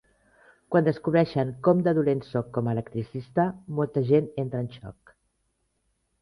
Quan descobreixen com de dolent sóc com a electricista, molta gent entra en xoc.